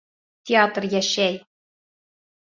Театр йәшәй!